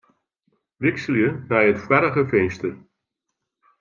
Wikselje nei it foarige finster.